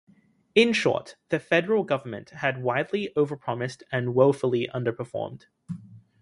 In short, the federal government had "widely over-promised and woefully underperformed".